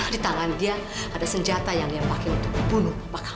di tangan dia ada senjata yang dia pake untuk bunuh papa kamu